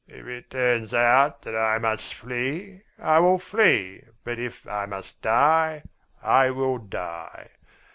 "If it turns out that I must flee, I will flee; but if I must die, I will die.